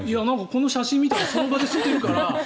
この写真を見たらその場で吸ってるから。